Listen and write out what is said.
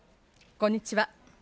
こんにちは。